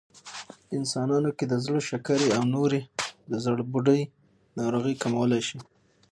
انسانانو کې د زړه، شکرې او نورې د زړبوډۍ ناروغۍ کمولی شي